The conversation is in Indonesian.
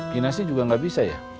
kina sih juga gak bisa ya